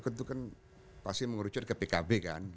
itu kan pasti mengerucut ke pkb kan